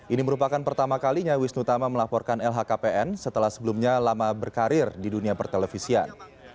ini merupakan pertama kalinya wisnu tama melaporkan lhkpn setelah sebelumnya lama berkarir di dunia pertelevisian